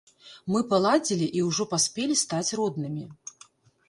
Мы паладзілі і ўжо паспелі стаць роднымі.